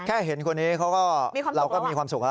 แค่เห็นคนนี้เราก็มีความสุข